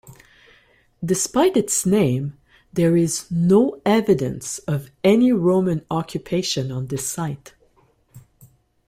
Despite its name there is no evidence of any Roman occupation on this site.